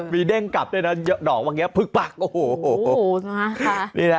มีเด้งกลับด้วยนะหนองบางอย่างนี้พึกปากโอ้โฮโอ้โฮนะฮะ